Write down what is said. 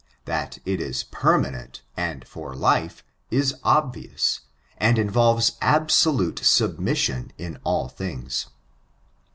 Hat it m permanent, and &r life, is obvious, and involves abeohite submission in all diings.